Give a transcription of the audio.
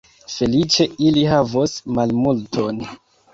Feliĉe, ili havos malmulton.